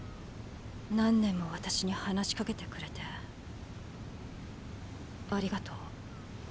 何年も私に話しかけてくれてありがとう。